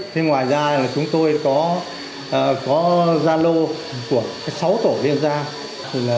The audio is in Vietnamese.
thế ngoài ra là chúng tôi có gia lô của sáu tổ liên gia